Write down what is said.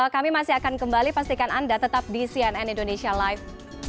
kami masih akan kembali pastikan anda tetap di cnn indonesia live